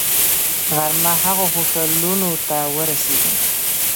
غرمه هغو هوټلونو ته ورسېدو.